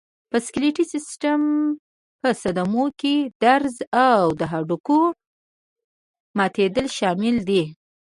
د سکلېټي سیستم په صدمو کې درز او د هډوکو ماتېدل شامل دي.